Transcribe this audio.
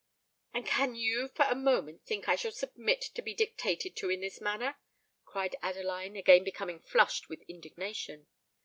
"And can you for a moment think that I shall submit to be dictated to in this manner?" cried Adeline, again becoming flushed with indignation.